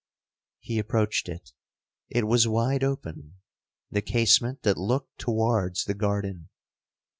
He approached it—it was wide open,—the casement that looked towards the garden.